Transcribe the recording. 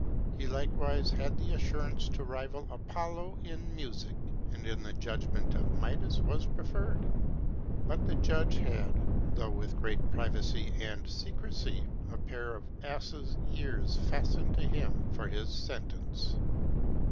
He likewise had the assurance to rival Apollo in music, and in the judgment of Midas was preferred; but the judge had, though with great privacy and secrecy, a pair of ass's ears fastened on him for his sentence.